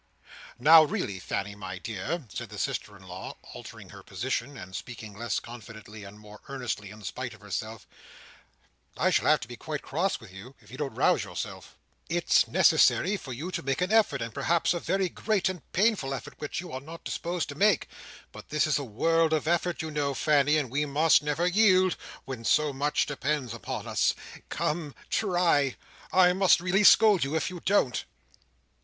"Now, really, Fanny my dear," said the sister in law, altering her position, and speaking less confidently, and more earnestly, in spite of herself, "I shall have to be quite cross with you, if you don't rouse yourself. It's necessary for you to make an effort, and perhaps a very great and painful effort which you are not disposed to make; but this is a world of effort you know, Fanny, and we must never yield, when so much depends upon us. Come! Try! I must really scold you if you don't!"